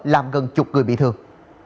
làm gần chục người bị thương